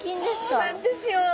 そうなんですよ。